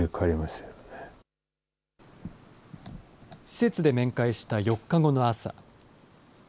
施設で面会した４日後の朝。